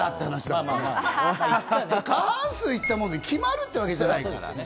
過半数いったもんで決まるってわけじゃないからね。